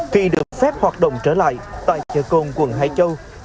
khi được phép hoạt động trở lại tại chợ cồn quận hải châu